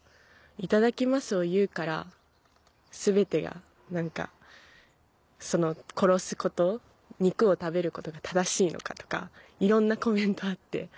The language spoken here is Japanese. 「いただきますを言うから全てが何か殺すこと肉を食べることが正しいのか」とかいろんなコメントあって。